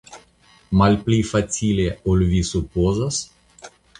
Malpli facile ol vi supozas?